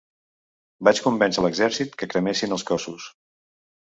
Vaig convèncer l'exèrcit que cremessin els cossos.